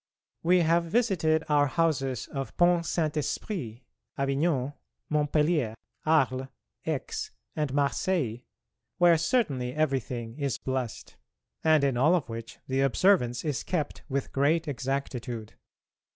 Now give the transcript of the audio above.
We have visited our houses of Pont Saint Esprit, Avignon, Montpellier, Arles, Aix, and Marseilles, where certainly everything is blessed, and in all of which the observance is kept with great exactitude.